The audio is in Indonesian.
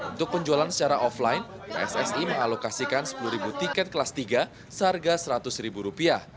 untuk penjualan secara offline pssi mengalokasikan sepuluh ribu tiket kelas tiga seharga seratus ribu rupiah